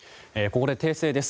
ここで訂正です。